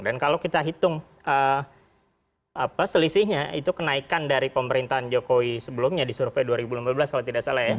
kalau kita hitung selisihnya itu kenaikan dari pemerintahan jokowi sebelumnya di survei dua ribu lima belas kalau tidak salah ya